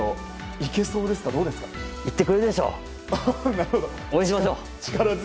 いってくれるでしょ！